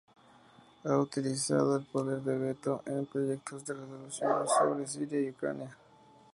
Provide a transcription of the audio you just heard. Ha utilizado el poder de veto en proyectos de resoluciones sobre Siria y Ucrania.